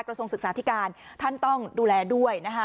ทรงศึกษาธิการท่านต้องดูแลด้วยนะคะ